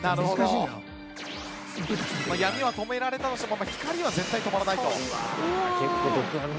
闇は止められたとしても光は絶対止まらないと。